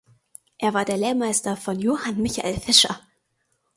Er war der Lehrmeister von Johann Michael Fischer.